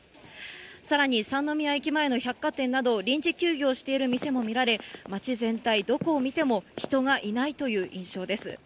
さらに三宮駅前の百貨店など臨時休業している店も見られ、街全体、どこを見ても人がいないという印象です。